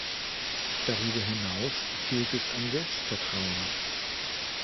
Darüber hinaus fehlt es an Selbstvertrauen.